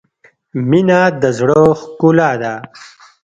• مینه د زړۀ ښکلا ده.